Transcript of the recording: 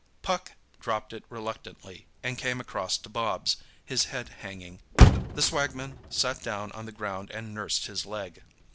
Puck dropped it reluctantly, and came across to Bobs, his head hanging. The swagman sat down on the ground and nursed his leg.